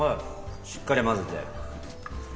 しっかり混ぜて。